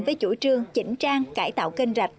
với chủ trương chỉnh trang cải tạo kênh rạch